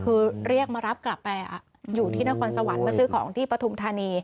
คือเรียกมารับกลับไปอยู่ที่นครสวรรค์มาซื้อของที่ปฐุมธานี